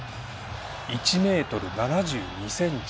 １ｍ７２ｃｍ。